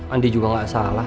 andi juga gak salah